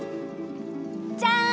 じゃん！